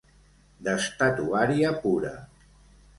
-D'estatuària pura.